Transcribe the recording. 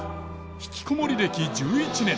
ひきこもり歴１１年。